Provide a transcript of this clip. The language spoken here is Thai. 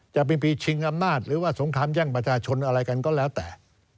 จะเป็นปีชิงอำนาจหรือว่าสงครามแย่งประชาชนอะไรกันก็แล้วแต่